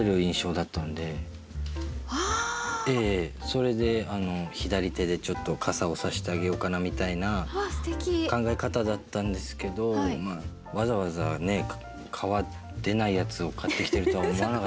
それで左手でちょっと傘を差してあげようかなみたいな考え方だったんですけどわざわざ皮出ないやつを買ってきてるとは思わなかったんで。